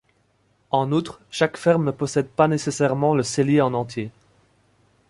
En outre, chaque ferme ne possède pas nécessairement le cellier en entier.